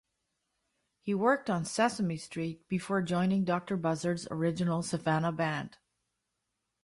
He worked on "Sesame Street", before joining Doctor Buzzard's Original Savannah Band.